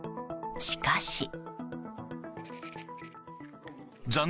しかし。